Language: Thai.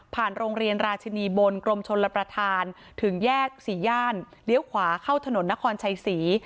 โรงเรียนราชินีบนกรมชนรับประทานถึงแยกสี่ย่านเลี้ยวขวาเข้าถนนนครชัยศรี